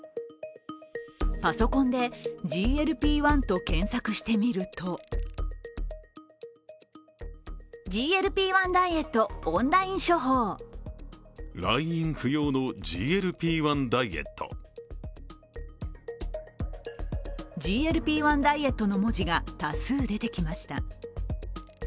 パソコンで「ＧＬＰ−１」と検索してみると「ＧＬＰ−１ダイエット」の文字が多数出てきました。